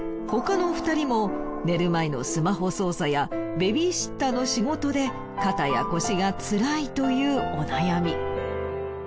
他の２人も寝る前のスマホ操作やベビーシッターの仕事で肩や腰がつらいというお悩み。